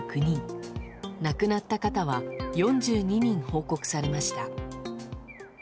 亡くなった方は４２人報告されました。